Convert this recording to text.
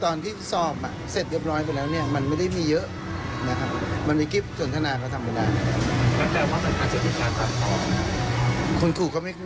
ทหารวิชาก็พูดเรื่อยมาก